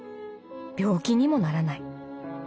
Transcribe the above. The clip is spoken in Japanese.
病気にもならない。